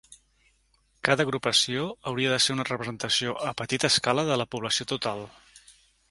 Cada agrupació hauria de ser una representació a petita escala de la població total.